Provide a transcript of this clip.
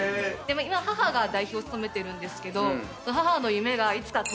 今母が代表を務めてるんですけど。